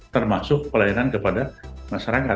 termasuk pelayanan kepada masyarakat